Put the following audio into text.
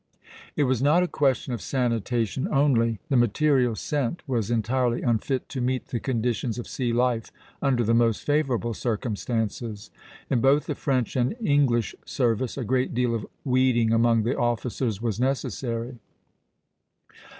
It was not a question of sanitation only; the material sent was entirely unfit to meet the conditions of sea life under the most favorable circumstances. In both the French and English service a great deal of weeding among the officers was necessary.